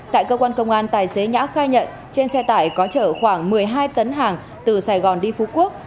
tại cơ quan công an tài xế nhã khai nhận trên xe tải có chở khoảng một mươi hai tấn hàng từ sài gòn đi phú quốc